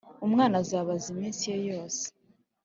umwana azabaza iminsi ye yose,